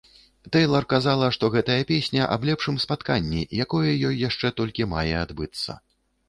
Тэйлар казала, што гэтая песня аб лепшым спатканні, якое ёй яшчэ толькі мае адбыцца.